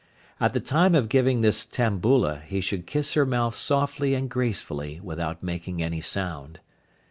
At the time of giving this "tambula" he should kiss her mouth softly and gracefully without making any sound.